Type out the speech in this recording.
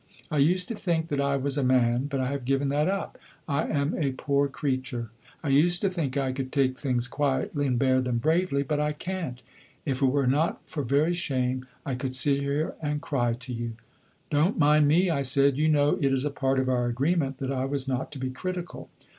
I used to think that I was a man, but I have given that up; I am a poor creature! I used to think I could take things quietly and bear them bravely. But I can't! If it were not for very shame I could sit here and cry to you.' 'Don't mind me,' I said; 'you know it is a part of our agreement that I was not to be critical.